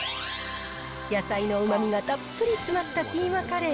野菜のうまみがたっぷり詰まったキーマカレー。